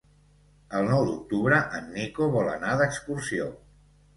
El nou d'octubre en Nico vol anar d'excursió.